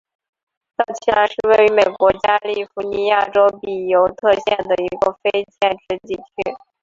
道奇兰是位于美国加利福尼亚州比尤特县的一个非建制地区。